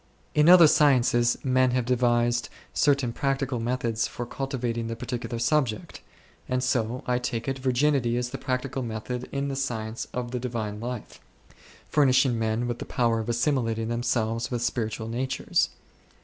In other sciences men have devised certain practical methods for cultivating the particular subject ; and so, I take it, virginity is the practical method in the science of the Divine life, furnishing men with the powqr of assimilating themselves with spiritual natures.